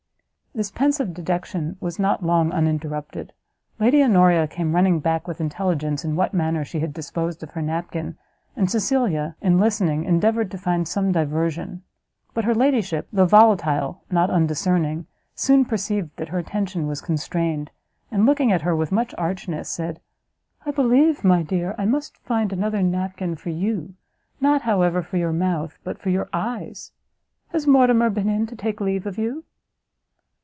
This pensive dejection was not long uninterrupted; Lady Honoria came running back, with intelligence, in what manner she had disposed of her napkin, and Cecilia in listening, endeavoured to find some diversion; but her ladyship, though volatile not undiscerning, soon perceived that her attention was constrained, and looking at her with much archness, said, "I believe, my dear, I must find another napkin for you! not, how ever, for your mouth, but for your eyes! Has Mortimer been in to take leave of you?"